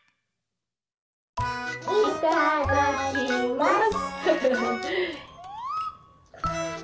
いただきます。